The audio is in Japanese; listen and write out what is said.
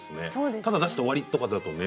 ただ出して終わりとかだとね